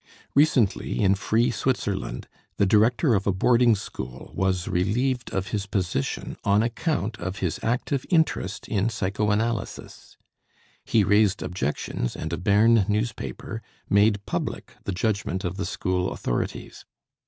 Recently, in free Switzerland, the director of a boarding school was relieved of his position on account of his active interest in psychoanalysis. He raised objections and a Berne newspaper made public the judgment of the school authorities.